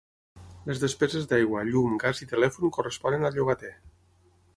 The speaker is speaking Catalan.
Les despeses d'aigua, llum, gas i telèfon corresponen al llogater.